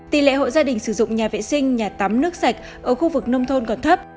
tỷ lệ hộ gia đình sử dụng nhà vệ sinh nhà tắm nước sạch ở khu vực nông thôn còn thấp